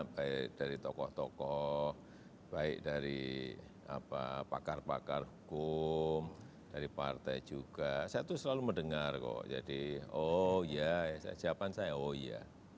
baik dari tokoh tokoh baik dari pakar pakar hukum dari partai juga saya tuh selalu mendengar kok jadi oh ya jawaban saya oh iya